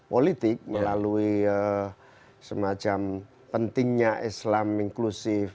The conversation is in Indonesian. politik melalui semacam pentingnya islam inklusif